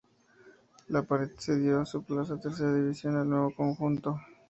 La Pared cedió su plaza en Tercera División al nuevo conjunto.